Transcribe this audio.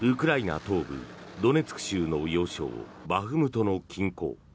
東部ドネツク州の要衝バフムトの近郊。